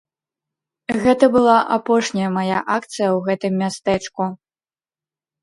Гэта была апошняя мая акцыя ў гэтым мястэчку.